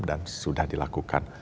dan sudah dilakukan